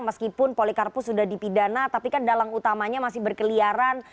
meskipun polikarpus sudah dipidana tapi kan dalang utamanya masih berkeliaran